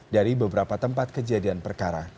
dari beberapa tempat kejadian perkara